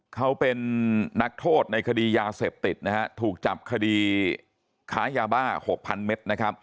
เขาเป็นนักโทษในคดียาเสพติดนะฮะถูกจับคดีค้ายาบ้า๖๐๐เมตรนะครับ